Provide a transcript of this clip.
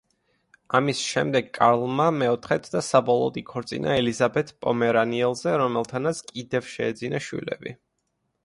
ამის შემდეგ, კარლმა მეოთხედ და საბოლოოდ იქორწინა ელიზაბეთ პომერანიელზე, რომელთანაც კიდევ შეეძინა შვილები.